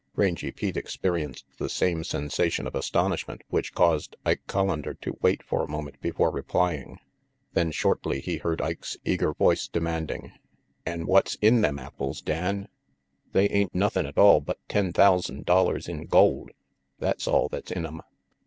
Rangy Pete experienced the same sensation of astonishment which caused Ike Collander to wait for a moment before replying. Then shortly he heard Ike's eager oice demanding, "An' what's in them apples, Dan?" " They ain't nothin' atoll but ten thousand dollars in gold. That's all that's in 'em."